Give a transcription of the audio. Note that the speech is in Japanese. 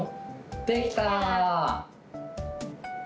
できた！